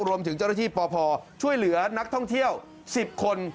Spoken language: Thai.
รวมถึงเจ้าหน้าที่ปพช่วยเหลือนักท่องเที่ยว๑๐คน